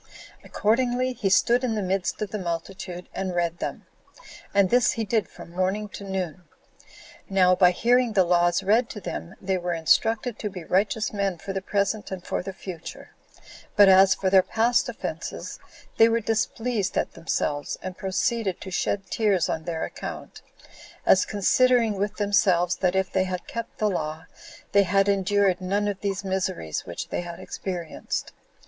Accordingly, he stood in the midst of the multitude and read them; and this he did from morning to noon. Now, by hearing the laws read to them, they were instructed to be righteous men for the present and for the future; but as for their past offenses, they were displeased at themselves, and proceeded to shed tears on their account, as considering with themselves that if they had kept the law, they had endured none of these miseries which they had experienced.